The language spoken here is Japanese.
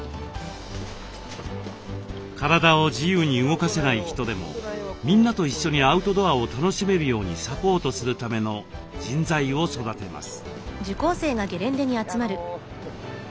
体を自由に動かせない人でもみんなと一緒にアウトドアを楽しめるようにサポートするための人材を育てます。